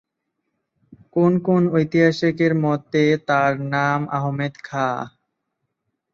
কোন কোন ঐতিহাসিকের মতে তার নাম আহমদ খা।